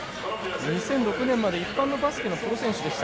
２００６年まで一般のバスケットボールの選手でした。